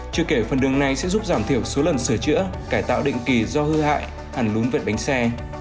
chưa kể phần đường này sẽ giúp giảm thiểu số lần sửa chữa cải tạo định kỳ do hư hại hẳn lún vệt bánh xe